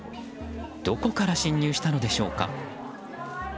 どこから侵入したのでしょうか。